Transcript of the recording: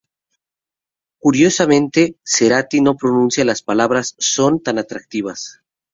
Curiosamente, Cerati no pronuncia las palabras "son tan atractivas...".